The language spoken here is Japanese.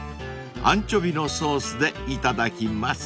［アンチョビーのソースで頂きます］